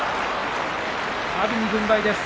阿炎に軍配です。